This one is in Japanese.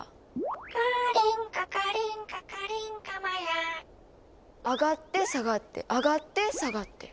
「カーリンカカリンカカリンカマヤ」上がって下がって上がって下がって。